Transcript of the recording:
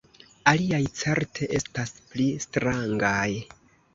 Aliaj certe estas pli strangaj.